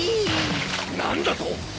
何だと！？